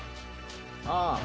ああ。